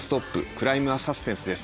・クライム・サスペンスです。